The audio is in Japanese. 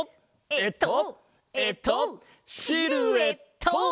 えっとえっとシルエット！